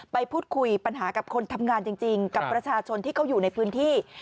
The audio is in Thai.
ไปพูดคุยปัญหากับคนทำงานจริงกับประชาชนที่เขาอยู่ในพื้นที่